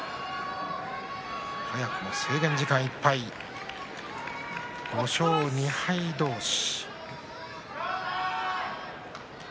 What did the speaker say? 早くも制限時間いっぱい５勝２敗同士。